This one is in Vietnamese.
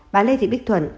bà lê thị bích thuận